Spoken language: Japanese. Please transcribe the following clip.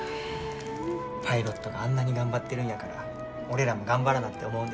パイロットがあんなに頑張ってるんやから俺らも頑張らなって思うんです。